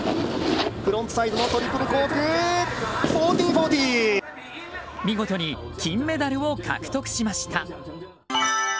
フロントサイドの見事に金メダルを獲得しました。